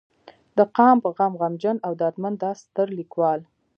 د قام پۀ غم غمژن او درمند دا ستر ليکوال